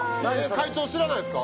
会長知らないですか？